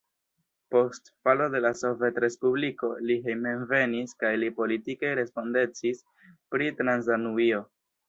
Post falo de la sovetrespubliko li hejmenvenis kaj li politike respondecis pri Transdanubio.